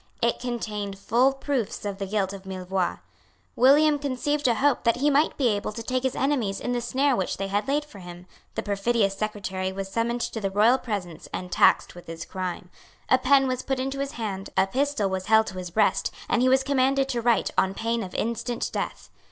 It contained full proofs of the guilt of Millevoix. William conceived a hope that he might be able to take his enemies in the snare which they had laid for him. The perfidious secretary was summoned to the royal presence and taxed with his crime. A pen was put into his hand; a pistol was held to his breast; and he was commanded to write on pain of instant death.